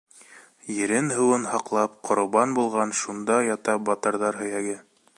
Ерен-һыуын һаҡлап, ҡорбан булған Шунда ята батырҙар һөйәге.